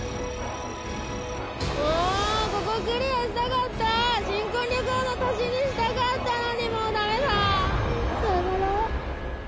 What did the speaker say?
もうここクリアしたかった新婚旅行の足しにしたかったのにもうダメださよなら